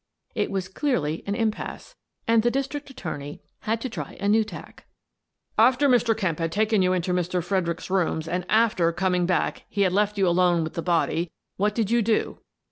It was clearly an impasse, and the district attorney had to try a new tack. " After Mr. Kemp had taken you into Mr. Fred ericks^ room and after, coming back, he had left you alone with the body, what did you do?